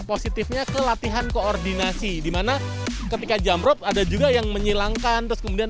positifnya ke latihan koordinasi dimana ketika jamrut ada juga yang menyilangkan terus kemudian